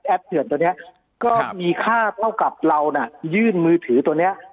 เถื่อนตัวนี้ก็มีค่าเท่ากับเราน่ะยื่นมือถือตัวเนี้ย